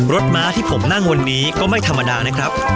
ม้าที่ผมนั่งวันนี้ก็ไม่ธรรมดานะครับ